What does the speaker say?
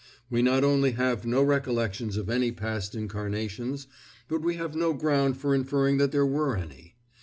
We not only have no recollections of any past incarnations, but we have no ground for inferring that there were any.